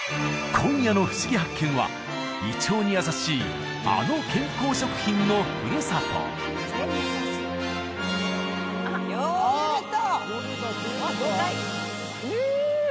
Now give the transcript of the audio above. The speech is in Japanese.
今夜の「ふしぎ発見！」は胃腸に優しいあの健康食品のふるさとうん！